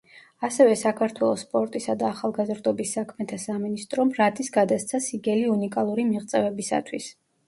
ასევე საქართველოს სპორტისა და ახალგაზრდობის საქმეთა სამინისტრომ, რატის გადასცა სიგელი უნიკალური მიღწევებისათვის.